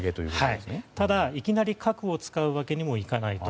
ただ、いきなり核を使うわけにもいかないと。